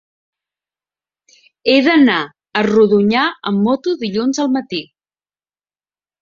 He d'anar a Rodonyà amb moto dilluns al matí.